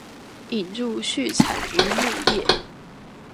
引入畜產漁牧業